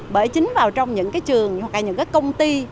bởi chính vào trong những trường hoặc những công ty